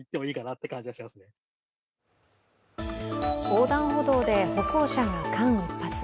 横断歩道で歩行者が間一髪。